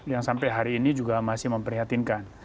yang sampai hari ini juga masih memprihatinkan